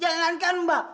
jangan kan mbak